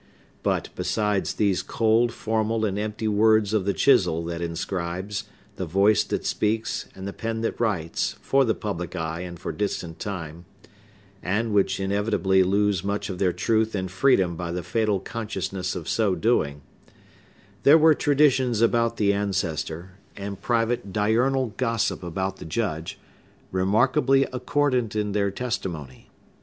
But, besides these cold, formal, and empty words of the chisel that inscribes, the voice that speaks, and the pen that writes, for the public eye and for distant time,—and which inevitably lose much of their truth and freedom by the fatal consciousness of so doing,—there were traditions about the ancestor, and private diurnal gossip about the Judge, remarkably accordant in their testimony.